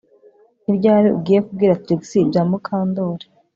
Ni ryari ugiye kubwira Trix ibya Mukandoli